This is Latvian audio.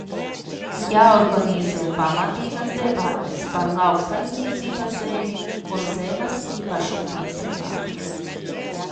Jāorganizē pamatīgas debates par lauksaimniecības zemi un zemes īpašumtiesībām.